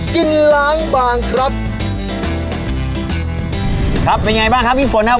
กินล้างบางครับครับเป็นไงบ้างครับพี่ฝนครับ